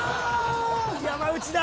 山内だ！